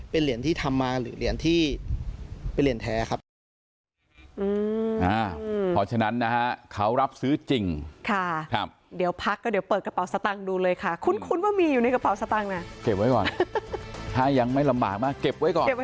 เป็นเหรียญที่ทำมาหรือเหรียญที่เป็นเหรียญแท้ครับ